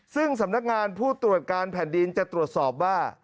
ซึ่งสำนักงานผู้ตรวจการแผ่นดินจะตรวจสอบว่า